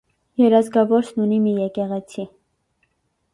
Երազգավորսն ունի մի եկեղեցի։